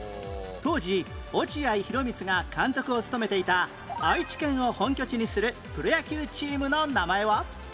当時落合博満が監督を務めていた愛知県を本拠地にするプロ野球チームの名前は？